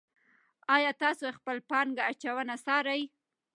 آیا تاسو خپله پانګه اچونه څارئ.